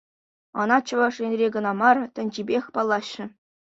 Ӑна Чӑваш Енре кӑна мар, тӗнчипех паллаҫҫӗ.